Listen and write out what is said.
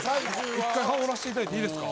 １回羽織らせていただいていいですか？